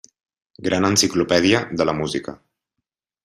Gran Enciclopèdia de la Música.